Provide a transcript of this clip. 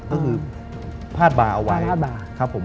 ก็คือผ้าบาร์เอาไว้